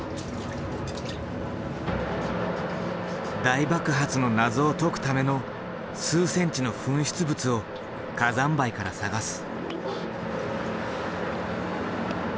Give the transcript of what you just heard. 大爆発の謎を解くための数センチの噴出物を火山灰から探す。